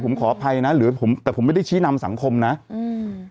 ผมขออภัยนะหรือผมแต่ผมไม่ได้ชี้นำสังคมนะอืม